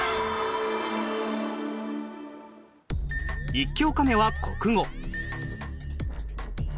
１教科目は国語。